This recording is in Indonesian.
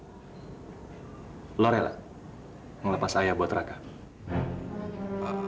jadi lu rela ngelepas ayah buat rakan